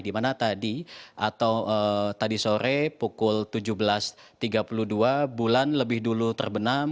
dimana tadi atau tadi sore pukul tujuh belas tiga puluh dua bulan lebih dulu terbenam